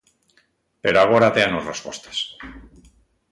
Pero agora déanos respostas.